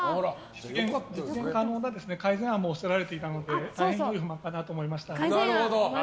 可能な改善案もおっしゃっていましたので大変良い不満かなと思いました。